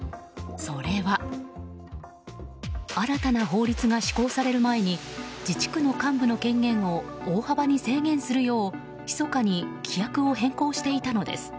それは新たな法律が施行される前に自治区の幹部の権限を大幅に制限するようひそかに規約を変更していたのです。